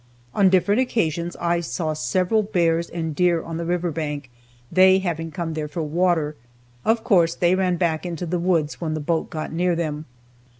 On different occasions I saw several bears and deer on the river bank, they having come there for water. Of course they ran back into the woods when the boat got near them.